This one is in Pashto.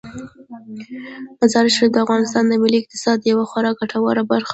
مزارشریف د افغانستان د ملي اقتصاد یوه خورا ګټوره برخه ده.